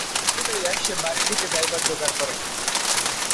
ছিপ গুটাইয়া সে বাড়ির দিকে যাইবার জোগাড় করে।